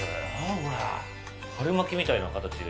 春巻きみたいな形で。